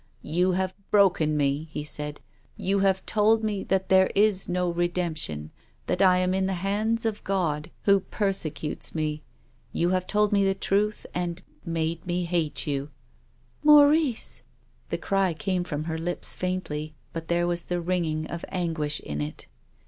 "You have broken me," he said. "You have told me that there is no redemption, that I am in the hands of God, who persecutes me. You have told me the truth and made me hate you." THE LIVING CHILD. 239 "Maurice!" The cry came from her lips faintly, but there was the ring of anguish in it.